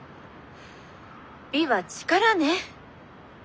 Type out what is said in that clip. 美は力ね。